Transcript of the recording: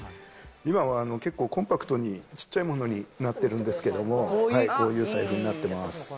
今は結構コンパクトに、小っちゃいものになってるんですけれども、こういう財布になってます。